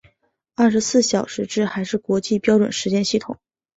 二十四小时制还是国际标准时间系统。